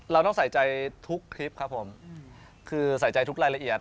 เราต้องใส่ใจทุกคลิปครับผมคือใส่ใจทุกรายละเอียด